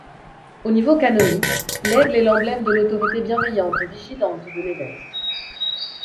Au niveau canonique, l’aigle est l’emblème de l’autorité bienveillante et vigilante de l’évêque.